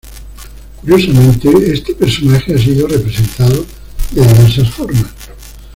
Curiosamente, este personaje ha sido representado de diversas formas.